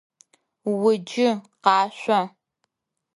Уджы, къашъо!